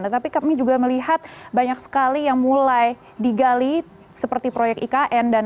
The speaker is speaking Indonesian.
tetapi kami juga melihat banyak sekali yang mulai digali seperti proyek ikn